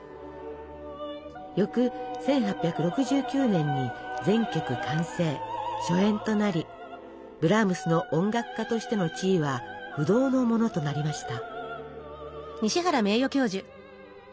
翌１８６９年に全曲完成初演となりブラームスの音楽家としての地位は不動のものとなりました。